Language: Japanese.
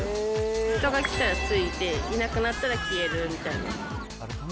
人が来たらついて、いなくなったら消えるみたいな。